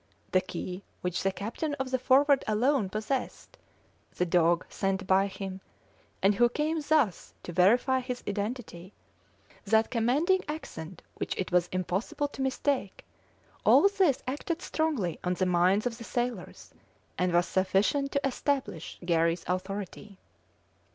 The key which the captain of the Forward alone possessed, the dog sent by him, and who came thus to verify his identity, that commanding accent which it was impossible to mistake all this acted strongly on the minds of the sailors, and was sufficient to establish Garry's authority.